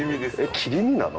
「切り身なの？」